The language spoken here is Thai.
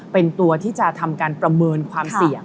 เป็นตัวที่จะทำการประเมินความเสี่ยง